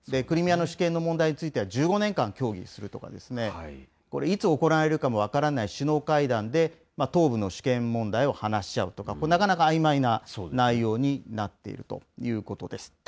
クリミアの主権の問題については、１５年間協議するとかですね、これ、いつ行われるかも分からない首脳会談で、東部の主権問題を話し合うとか、なかなかあいまいな内容になっているということです。